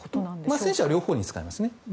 戦車は両方に使えますね。